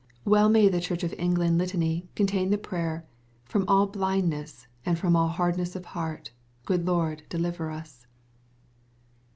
Well may the Church of England litany contain the prayer, " From all blindness, — and from hardness of heart, Good Lord deliver us."